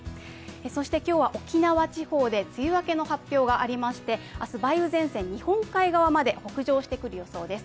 そして今日は沖縄地方で梅雨明けの発表がありまして明日、梅雨前線、日本海側まで北上してくる予想です。